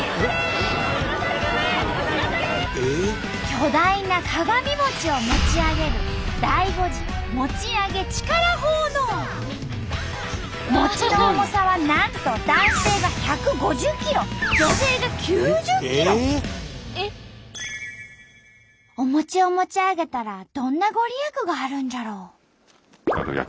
巨大な鏡餅を持ち上げる餅の重さはなんとお餅を持ち上げたらどんな御利益があるんじゃろう？